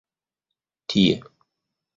tie